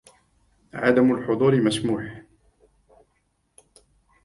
عدم الحضور مسموح.